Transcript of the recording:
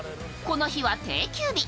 この日は定休日。